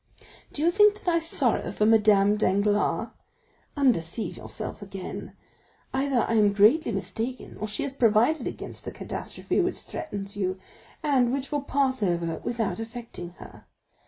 "Do you think that I sorrow for Madame Danglars? Undeceive yourself again; either I am greatly mistaken, or she has provided against the catastrophe which threatens you, and, which will pass over without affecting her.